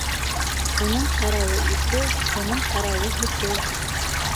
Уның ҡарауы — ите, Уның ҡарауы — һөтө!